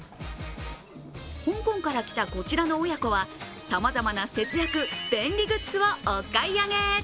香港から来たこちらの親子はさまざまな節約・便利グッズをお買い上げ。